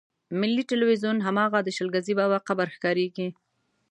ملي ټلویزیون هماغه د شل ګزي بابا قبر ښکارېږي.